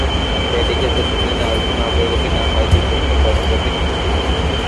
এদিকে প্রথম দিনে আলোচনার অগ্রগতি না হওয়ায় দুই পক্ষই পরস্পরকে দুষেছে।